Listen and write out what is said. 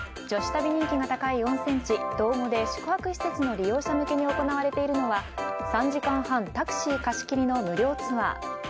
女子旅人気が高い温泉地、道後で宿泊施設の利用者向けに行われているのは３時間半タクシー貸し切りの無料ツアー。